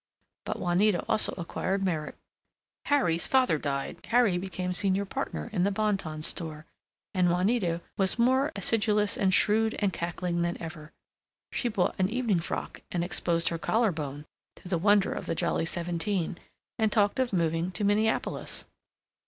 But Juanita also acquired merit. Harry's father died, Harry became senior partner in the Bon Ton Store, and Juanita was more acidulous and shrewd and cackling than ever. She bought an evening frock, and exposed her collar bone to the wonder of the Jolly Seventeen, and talked of moving to Minneapolis.